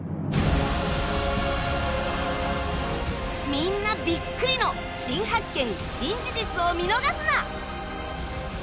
みんなビックリの新発見・新事実を見逃すな！